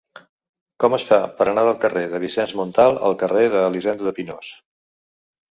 Com es fa per anar del carrer de Vicenç Montal al carrer d'Elisenda de Pinós?